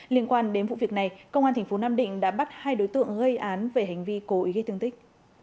liên quan đến vụ việc này công an tp nam định đã bắt hai đối tượng gây án về hành vi cố ý gây thương tích